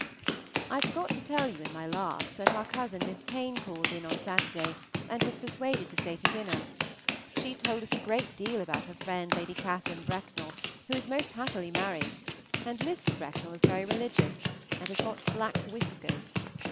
I forgot to tell you in my last that our cousin Miss Payne called in on Saturday, and was persuaded to stay dinner. She told us a great deal about her friend Lady Cath. Brecknell, who is most happily married, and Mr. Brecknell is very religious, and has got black whiskers.